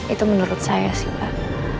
itu menurut saya sih pak